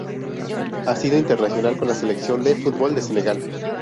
Ha sido internacional con la selección de fútbol de Senegal.